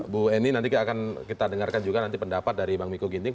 bu eni nanti kita akan dengarkan juga nanti pendapat dari bang miku ginting